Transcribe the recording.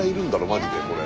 マジでこれ。